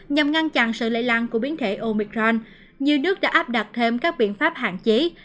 nhằm ngăn chặn sự lây lan của biến thể omicron nhiều nước đã áp đặt thêm các biện pháp hạn chế